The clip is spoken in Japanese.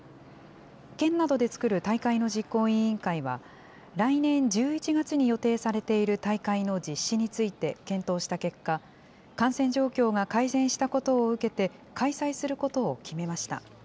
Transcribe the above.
県などで作る大会の実行委員会は、来年１１月に予定されている大会の実施について検討した結果、感染状況が改善したことを受けて、開催することを決めました。